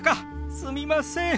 すみません。